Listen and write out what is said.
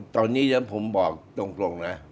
ตอนนี้ผมบอกตรงนะ